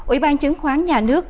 ủy ban chứng khoán nhà nước